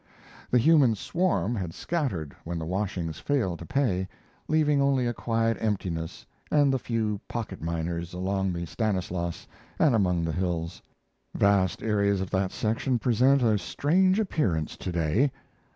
The human swarm had scattered when the washings failed to pay, leaving only a quiet emptiness and the few pocket miners along the Stanislaus and among the hills. Vast areas of that section present a strange appearance to day.